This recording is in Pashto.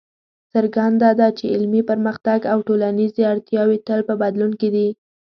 څرګنده ده چې علمي پرمختګ او ټولنیزې اړتیاوې تل په بدلون کې دي.